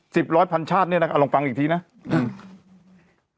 สิบร้อยพันชาติเนี้ยนะครับลองฟังอีกทีนะอืม